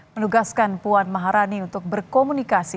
menugaskan puan maharani untuk berkomunikasi